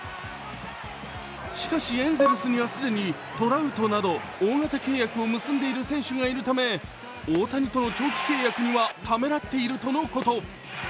しかし、エンゼルスには既にトラウトなど大型契約を結んでいる選手がいるため大谷との長期契約にはためらっているとのこと。